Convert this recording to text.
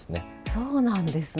そうなんですね。